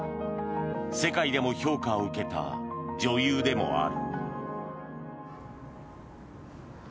世界でも評価を受けた女優でもある。